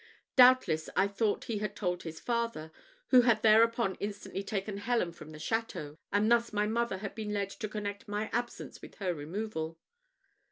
Doubtless, I thought he had told his father, who had thereupon instantly taken Helen from the château; and thus my mother had been led to connect my absence with her removal.